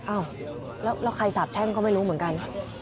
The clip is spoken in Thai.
อ้าวแล้วใครสาบแช่งก็ไม่รู้เหมือนกัน